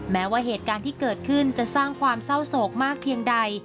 แม้ว่าเหตุการณ์ที่เกิดขึ้นจะสร้างความเศร้าโศกมากเพียงใด